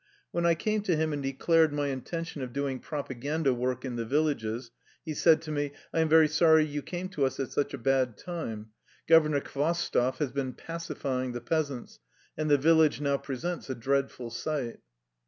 When I came to him and declared my inten tion of doing propaganda work in the villages, he said to me :" I am very sorry you came to us at such a bad time. Governor Khvostoff has been ' pacifying ' the peasants, and the village now presents a dreadful sight."